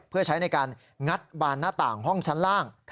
เพื่อใช้ในการงัดบานหน้าต่างห้องชั้นล่าง